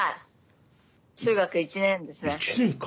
１年か。